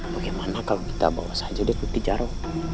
bagaimana kalau kita bawa saja dia ke tijaro